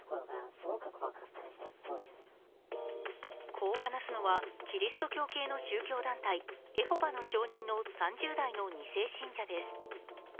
こう話すのは、キリスト教系の宗教団体・エホバの証人の３０代の２世信者です。